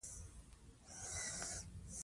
ماشومان د بېلېدو پر اضطراب اخته کېږي.